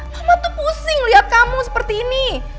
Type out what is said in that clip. mama tuh pusing liat kamu seperti ini